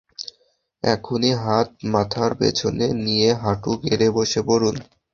এক্ষুনি হাত মাথার পেছনে নিয়ে হাঁটু গেঁড়ে বসে পড়ুন!